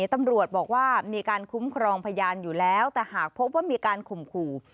ตำรวจบอกว่ามีการคุ้มครองพยานอยู่แล้วแต่หากพบว่ามีการข่มขู่